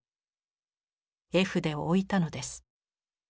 絵筆をおいたのです。